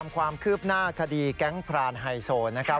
ความคืบหน้าคดีแก๊งพรานไฮโซนะครับ